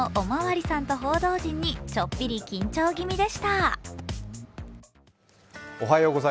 大勢のおまわりさんと報道陣にちょっぴり緊張気味でした。